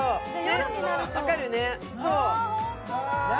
分かるよね。